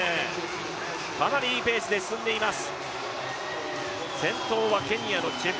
かなりいいペースで進んでいます。